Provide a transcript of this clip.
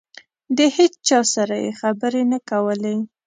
د هېچا سره یې خبرې نه کولې.